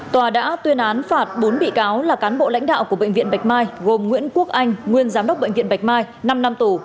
tòa đã tuyên án phạt bốn bị cáo là cán bộ lãnh đạo của bệnh viện bạch mai gồm nguyễn quốc anh nguyên giám đốc bệnh viện bạch mai năm năm tù